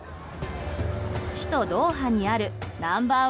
首都ドーハにあるナンバー